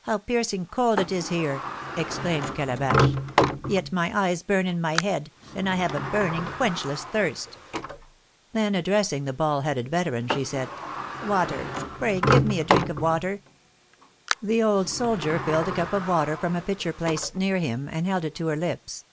"How piercing cold it is here!" exclaimed Calabash; "yet my eyes burn in my head, and I have a burning, quenchless thirst!" Then addressing the bald headed veteran, she said, "Water! Pray give me a drink of water!" The old soldier filled a cup of water from a pitcher placed near him, and held it to her lips.